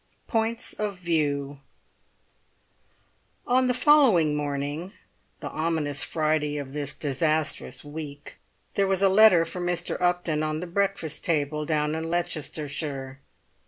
POINTS OF VIEW On the following morning, the ominous Friday of this disastrous week, there was a letter for Mr. Upton on the breakfast table down in Leicestershire.